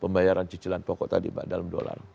pembayaran cicilan pokok tadi pak dalam dolar